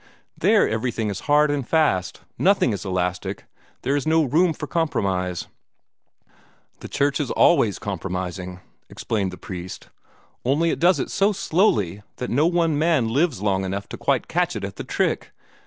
There everything is hard and fast; nothing is elastic; there is no room for compromise." "The Church is always compromising," explained the priest, "only it does it so slowly that no one man lives long enough to quite catch it at the trick.